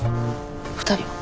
２人は？